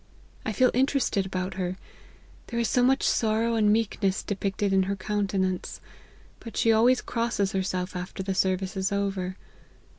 I feel interested about her, there is so much sorrow and meekness depicted in her countenance ; but she always crosses herself after the service is over.